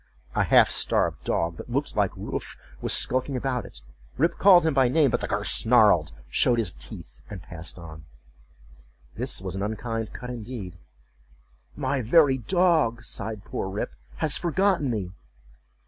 A half starved dog that looked like Wolf was skulking about it. Rip called him by name, but the cur snarled, showed his teeth, and passed on. This was an unkind cut indeed—"My very dog," sighed poor Rip, "has forgotten me!"